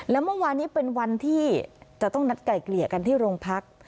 และเมื่อวานนี้เป็นวันที่จะต้องนัดไก่เกลี่ยกันที่โรงพัก